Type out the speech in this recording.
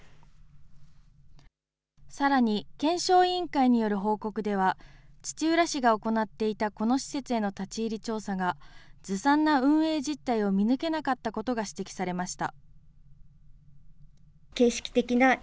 さらに、検証委員会による報告では、土浦市が行っていたこの施設への立ち入り調査が、ずさんな運営実態を見抜けなかったことが指摘されました。